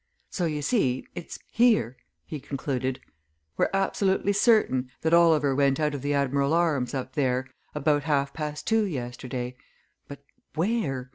"So you see, it's here," he concluded; "we're absolutely certain that Oliver went out of the 'Admiral's Arms' up there about half past two yesterday, but where?